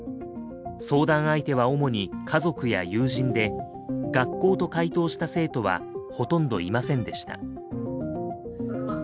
相談相手は主に家族や友人で「学校」と回答した生徒はほとんどいませんでした。